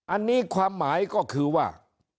อันนี้ความหมายก็คือว่า